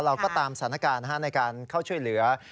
เราก็ตามสถานการณ์ในการเข้าช่วยเหลือ